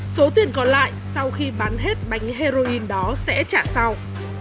số tiền còn lại sau khi bán hết bánh heroin đó sẽ trả sau